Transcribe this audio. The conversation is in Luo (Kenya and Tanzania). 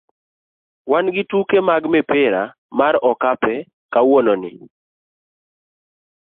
wan gi tuke mag opira mar okape kawuononi.